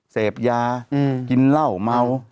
เสพยากินเหล้าเมา